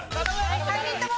３人とも！